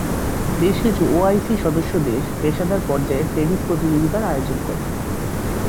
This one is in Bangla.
বেশকিছু ওআইসির সদস্য দেশ পেশাদার পর্যায়ের টেনিস প্রতিযোগিতার আয়োজন করে।